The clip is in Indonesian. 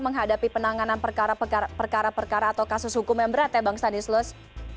menghadapi penanganan perkara perkara atau kasus hukum yang berat ya bang stanislus